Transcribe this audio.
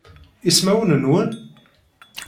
Ismawen-nwen?